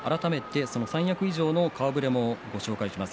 三役以上の顔ぶれもご紹介します。